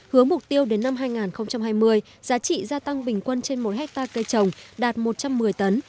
hướng mục tiêu đến năm hai nghìn hai mươi giá trị gia tăng bình quân trên một hectare cây trồng đạt một trăm một mươi tấn